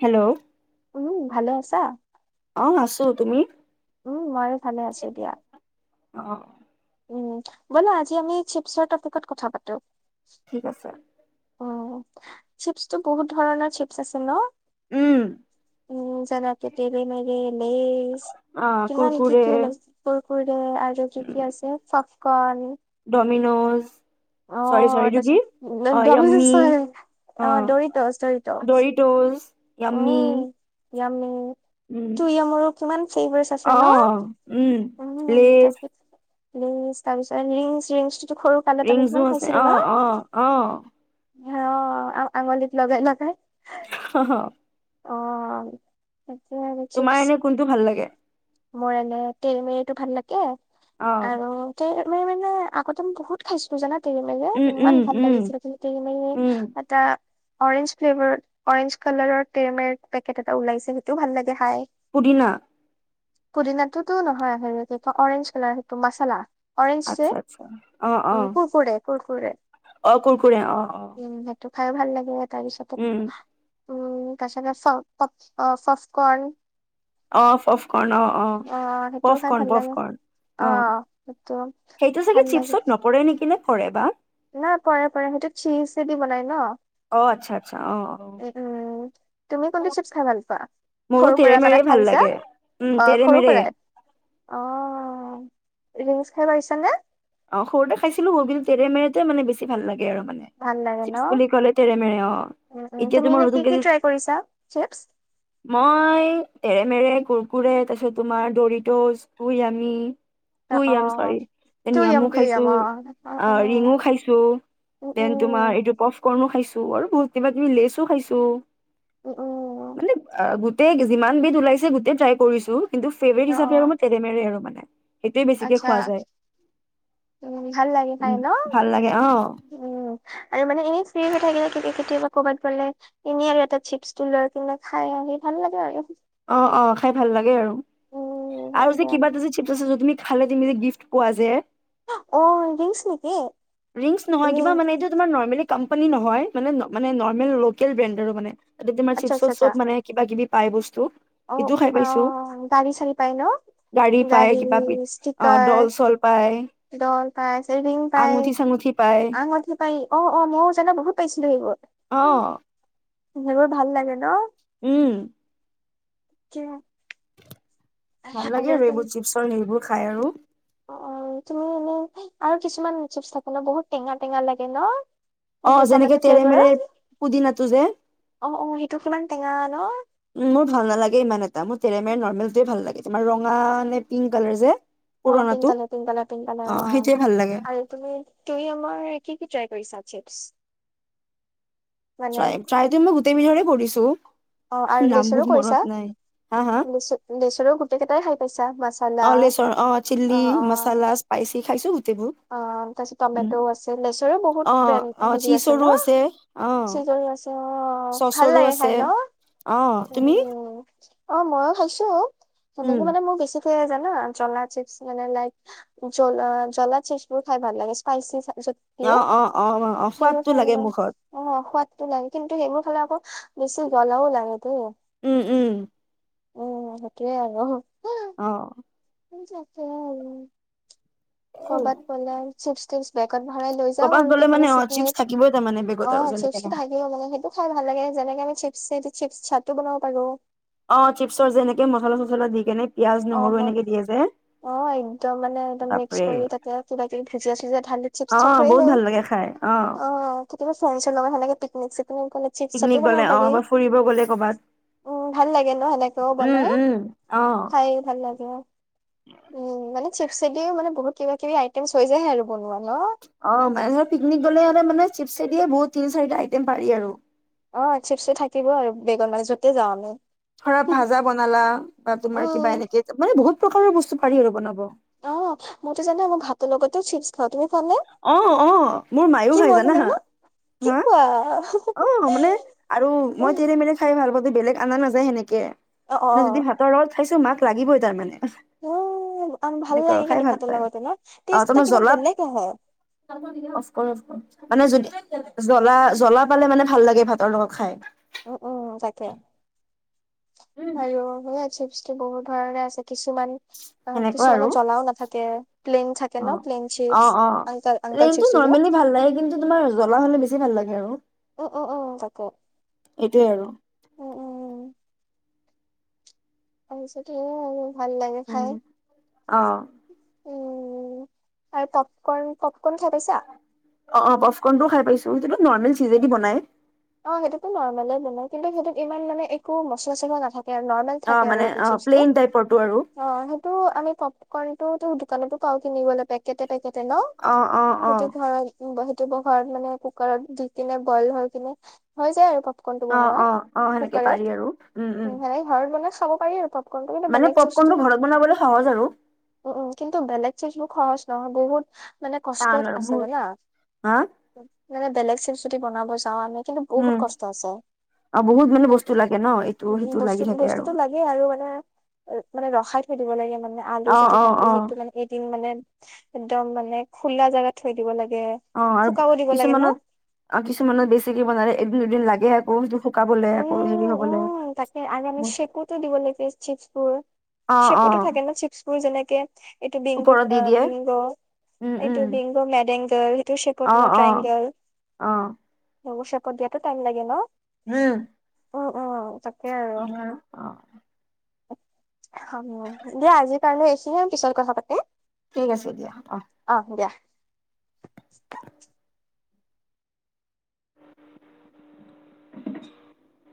Hello um ভালে আছা অঁ আছো তুমি উম ময়ো ভালে আছো দিয়া অ' উম ব'লা আজি আমি চিপছৰ তপিকত কথা পাতো ঠিক আছে অঁ চিপছটো বহুত ধৰণৰ চিপছ আছে ন উম উম যেনেকে তেড়ে মেড়ে লেছ অ কিমান কি কুৰকুৰে কি উলাইছে আৰু কি কি আছে পফকন মিনোজ অঁ তাৰপিত য়াম্মি অ দৰিত দৰিতচ এমি য়াও মিমি ত য়া মোৰো কিমান ফেভাৰ আছে অ ন উম লেজ ৰিংছ তাৰিছতংছংছ ৰিংজু আছে অঁ অঁ অঁ আঙুলীত লগাই লগাই হ হ অঁ তোমাৰ এনে কোনটো ভাল লাগে মোৰ এনে তেৰি মেৰিটো ভাল লাগে। অ আৰু কি মই মানে আগতে ম বহুত খাইছিলো জানা। তুমি মানে উম উম ইমান ভাল উম লাগিছিলে কিন্তু মানে উম আতা। অৰেঞ্জ ফ্লেভাৰত অৰেঞ্জ কালাৰত। তেৰে মেৰে পেকট এটা ওলাইছে সেইটোও ভাল লাগে খাই। পুদিনা। পুদিনাটোতো নহয় হেৰী কেইটা অৰেঞ্জ কালাৰ সেইটো মচালা। অৰেঞ্জ যে আচ্ছা আচ্ছা অ অ উম কুৰকুৰে। কুৰকুৰে। অ কুৰকুৰে অ অ। খাইো ভাল লাগে বহুত। তাৰ পাছতো উম তাৰপিছতে পফ কন অ পফ কণ অ অ সেইটোও পফ খাই ভাল কৰ্ণ পফ লাগে কৰ্ণ অ সেইটো সেইটো ভাল চাগে লাগে চিপছত নপৰেই নেকি নে। ফৰেবা। নাই পৰে পৰে সেইটো চিছচেদি বনাই ন। অ আচ্ছা আচ্ছা অ উ উম তুমি অ কোনটো চিপছ খাই ভাল পোৱা মোৰো সৰুৰ পৰা মানে তেৰেমেৰে ভাল খাইছা লাগে উম অ সৰুৰ তেৰেমেৰে। পৰাই অ ৰিংছ খাই পাৰিছা নে? অ সৰুতে খাইছিলো, বিন তেৰেমেৰে মানে বেছি ভাল লাগে। একেবাৰে মানে ভাল লাগে ন চিপচ বুলি কলে তেৰে মেৰে অ উম উম এতিয়া তুমি তোমাৰ এনে কি নতুন কে কি যে ট্ৰাই কৰিছা চিপছ মই তেৰে মেৰে কুৰ কুৰে তাৰপাছত দৰিতচ তুয়ামি। অ অ। এ টু য়াম নিয়ামও টু খাইছো, য়াম অ অ আ অ ৰিঙো খাইছো, উম দেন তোমাৰ উম এইটো পফকন যে অ মই খাইছো আৰু বহুত কিবা কিবি লেচো খাইছো। উম উম মানে গোট গোটেই যিমান বিধ ওলাইছে গোটেই ট্ৰাই কৰিছো। কিন্তু ফেভৰেত অ হিচাবে অ তেৰে মেৰে আৰু মানে। সেইটোৱে বেছিকে আচ্ছা খোৱা যায়। উম ভাল লাগে সাই উম ন ভাল লাগে অ উম আৰু মানে এনেই ফ্ৰী হৈ থাকিলে। কেতিয়াবা ক'বাত গ'লে এনেই আৰু এটা চিপটো লৈ পেলাই খাও আহি ভাল লাগে আৰু। অ অ খাই ভাল লাগে আৰু। আৰু যে উম কিবাটো যে চিপচ আছিলে যে তুমি খালে তুমি যে গিফ্ট পোৱা যে। অ ৰিংছচ নেকি? ৰিংছ নহয় ৰিং কিবা মানে এইটো তোমাৰ নৰ্মেলী। কোম্পানী নহয় মানে মানে নৰ্মেল লোকেল ব্ৰেণ্ডৰো মানে। এতি তোমাৰ আচ্ছা চিপচ আচ্ছা ৰ আচ্ছা চব মানে কিবাকিবি পায় বস্তু। অ সেইটোও খাই কিবা পাইছো অ গাড়ী চালি পায় ন পায় গাড়ী কিবা পিঠ- অ ষ্টিকাৰ দল চল পায় দল পাই ৰিং পায়। আঙুঠি চাঙুঠি পায় আঙুঠি পাই অ-অ মইও জানো বহুত পাইছিলো সেইবোৰ। অ সেইবোৰ ভাল লাগে ন। উম [inaudible] ভাল লাগে আৰু এইবোৰ চিপছৰ এইবোৰ, খায় আৰু। অ-অ তুমি এনে আৰু কিছুমান চিপচ থাক ন বহুত টেঙা-টেঙা লাগে ন। অ এইটো টমেট যেনেকে তেৰে ফ্লেভাৰৰ মেৰেৰ পুদিনাটো যে, অ অ সেইটো কিমান টেঙা ন মোৰ ভাল নালাগে ইমান এটা মোৰ তেৰে মেৰেৰ নৰ্মেল টোই ভাল লাগে। তোমাৰ ৰঙা নে পিংক কালাৰ যে অ পুৰণাটো পিংকালাৰ-পিংকালাৰ-পিংকালাৰ অ সেইটোৱে ভাল লাগে আৰু তুমি-তুমি আমাৰ কি-কি ট্ৰাই কৰিছা? চিপচ ট্ৰাই-ট্ৰাইটো মই গোটেই বিধৰে কৰিছো। ত [inaudible] অ আৰু লিচুৰো কৰিছা হা হা লিচু-লিচু লেচুৰ গোটেইকেটাই খাই পাই অ' লেচৰ অ চিল্লী অ মাচালা স্পাইচি খাইছো গোটেই। অ' তাৰপিছত টমেট আছে লেচৰো বহুত অ ব্ৰেন অ হেৰি আছে ন চীজৰো অ চিজো আছে অ ভাল চচৰো লাগে খাই আছে ন অ তুমি উ। অ মইও খাইছো। সেনেকে উম মানে মোৰ বেছি কি হয় জানা জলা চিপচ মানে লাইক জলা-জলা, চিপাবোৰ খাই ভাল লাগে স্পাইচি পিছত অ অ অ অ দিয়ে সোৱাদটো লাগে মুখত অ সোৱাদতটো নাই কিন্তু সেইবোৰ খালে আকৌ বেছি জলাও লাগে দে। উম-উম। উম সেইটোৱে আৰু অহ উম তাকেই আৰু। অ ক'ৰবাত গলে চিপচ-টিপছ, বেগত ভৰাই লৈ যাও ক'ৰবাত আৰু গ'লে মানে পিকনিক অ চিপছ চিকনিক থাকিবই তাৰমানে বেগত আৰু অ' যেনেকে চিপচো নহওক থাকিব মানে সেইটো খাই ভাল লাগে যেনেকে মানে চিপছ এইটো চিপছ চাটো বনাব পাৰো। অ চিপছৰ যেনেকে মছলা চছলা দি কেনে পিয়াজ নহৰু [unintelligible] এনেকে দিয়ে যে একদম মানে এক মিক্স বাপৰে কৰি তাতে কিবা কিবি ভুজিয়া চুজিয়া ধালি অ চিপচত হৈয়ে বহুত গল। ভাল লাগে খাই অ'। [unintelligible] লগত সেনেকে পিকনিক চিকনিক গ'লে চিপছ চাটো পিকনিক বনাব গ'লে পাৰি অ', বা ফুৰিব গ'লে ক'বাত, উম ভাল লাগে ন সেনেকেও বনাই উম, উম, অ'। খাই ভাল লাগে। উম, মানে চিপ্চে দিও মানে বহুত কিবা-কিবি আইটেমচ হৈ যায় আৰু বনোৱা। ন? অ' [unintelligible] পিকনিক গলে আৰু মানে চিপচে দিয়ে বহুত তিনি-চাৰিটা আইটেম পাৰি আৰু। অ' চিপচ থাকিব আৰু বেগত মানে যতে যাওঁ আমি। ধৰা ভাজা বনালা বা তোমাৰ কিবা উম, এনেকে মানে বহুত প্ৰকাৰৰ বস বস্তু পাৰি আৰু বনাব। অ' মইতো জানা? মই ভাত লগতো চিপচ খাওঁ। তুমি খোৱা নে? অ', অ', মোৰ মায়ো কি খাই মজা জানা, লাগে ন? কি হা। কোৱা? অ', মানে আৰু মই উম, তেৰে মেৰে খাই ভাল পাওঁ। বেলেগ আনা নাযায় সেনেকে। অ', অ', মানে যদি ভাতৰ লগত খাইছো মাক লাগিবই তাৰ মানে। অ উম। আম ভাল এনেকুৱা আৰু লাগে খাই কিন্তু ভাল ভাতৰ পায় লগতো ন? অহ, টেষ্ট এটা তমানে কিবা জ্বলাত বেলেগ আহে। অফ' কৰ অফ' কৰ মানে যদি জ্বলা জ্বলা পালে মানে ভাল লাগে ভাতৰ লগত খাই। উম উম, তাকে। আৰু হৈ আছে [unintelligible] বহুত ধৰণে আছে কিছুমান অ', সেনেকুৱা কিছুমানত আৰু জ্বলাও নাথাকে। প্লেইন থাকে ন অ', প্লেইন চিপছ। অ', অ', আংকাল আংকাল প্লেইনটো চিপছটো যে, নৰ্মেলি ভাল লাগে কিন্তু তোমাৰ জ্বলা হ'লে বেছি [unintelligible] ভাল লাগে আৰু উম উম উম তাকে এইটোয়ে আৰু উম উম তাৰপিছত সেয়াই আৰু। ভাল লাগে খাই উম, অহ। উম, আৰু তপকন-প'প অ', অ', প'ফক'ৰ্নটোও খাই পাইছোঁ কিন্তু নৰ্মেল চিজেদি বনাই। অ', সেইটোতো নৰ্মেলে বনাই, কিন্তু সেইটোত ইমান মানে একো মচলা চছলা নাথা কে নৰ্মেল অ থাকে আৰু মানে সেইটো অ চিজটো, প্লেইন টাইপৰটো আৰু অ', টো আমি পপকৰ্ণটো তো দোকানতো পাওঁ কিনিবলে পেকেটে পেকেটে ন অ অ অ হেতু ভাল বহু [unintelligible] ঘৰত মানে কুকাৰত দি কিনে বইল হৈ কিনে। হৈ যায় আৰু পপকৰ্ণটো অ', বনোৱা অ', অ', সেনেকে কুকাৰত পাৰি আৰু, উম, উম। সেনেকে ঘৰত বনাই খাব পাৰি আৰু কৰ্নটো কিন্তু মানে বেলেগ চিচটো, পপকৰ্নটো ঘৰত বনাবলৈ সহজ আৰু উ, উ, কিন্তু বেলেগ চিচবো খৰচ নহয় বহুত মানে টান কষ্টত আৰু আছে বহুত জানা হা মানে বেলেগ চিপ চুতি বনাব যাওঁ আমি। কিন্তু বহুত উম কষ্ট আছে, আৰু বহুত মানে উ, বস্তু লাগে ন এইটো সেইটো লাগি থাকে আৰু বস্তু-বস্তুটো লাগে আৰু মানে, মানে ৰখাই থৈ দিব লাগে মানে, আলু অ যদি অ কাপ অ সিটো মানে এদিন মানে এক্দম মানে খোলা জাগাত থৈ দিব লাগে। অ', আৰু শুকাব দিব লাগে ন কিছুমানত অ', কিছুমানত বেছিকে বনালে এক দুদিন লাগে আকৌ হেইটো উম, উম, তাকে আৰু আমি চেপতে দিব লাগি চিপচপুৰ, অ অ চেপতে থাকে ন চিপচপুৰ, যেনেক [unintelligible] এইটো বিংগ, ওপৰত দি দিয়ে বিংগ, এইটো বিংগ মেডেংগ [unintelligible] আহ, আহ, আহ। নেগো চেপত দিয়াটো টাইম লাগে ন উম, উম উম তাকে আৰু অ'। দিয়া আজিৰ কাৰণে এই খিনিয়ে, আৰু পিছত কথা পাটিম। ঠিক আছে দিয়া, অ'। [inaudible]